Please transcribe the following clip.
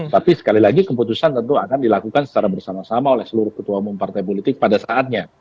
tapi sekali lagi keputusan tentu akan dilakukan secara bersama sama oleh seluruh ketua umum partai politik pada saatnya